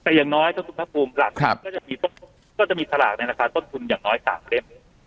แต่อย่างน้อยถ้าคุณภาคภูมิหลักก็จะมีก็จะมีสลากในราคาต้นทุนอย่างน้อย๓เล่ม